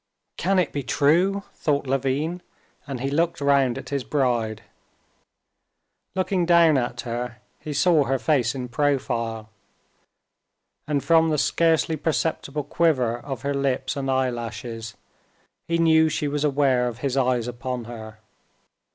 "Can it be true?" thought Levin, and he looked round at his bride. Looking down at her he saw her face in profile, and from the scarcely perceptible quiver of her lips and eyelashes he knew she was aware of his eyes upon her.